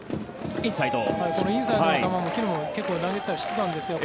このインサイドの球も昨日、結構投げたりしてたんですよ。